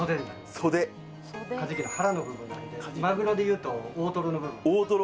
ソデカジキの腹の部分なんでマグロでいうと大トロの部分大トロ！